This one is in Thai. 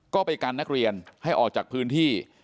ก็ไปกันนักเรียนให้ออกจากพื้นที่